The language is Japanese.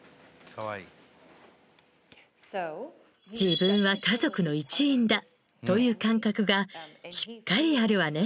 自分は家族の一員だという感覚がしっかりあるわね。